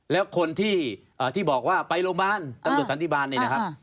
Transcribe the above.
แล้วคนที่บอกว่าไปโรงพยาบาลตำรวจสันติบาลเนี่ยนะครับ